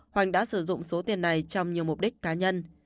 hoàng đã sử dụng số tiền này trong nhiều mục đích cá nhân